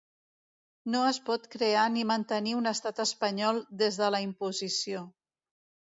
No es pot crear ni mantenir un estat espanyol des de la imposició.